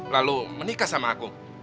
lalu menikah sama aku